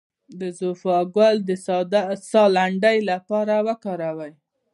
د زوفا ګل د ساه لنډۍ لپاره وکاروئ